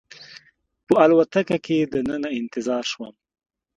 په الوتکه کې دننه انتظار شوم.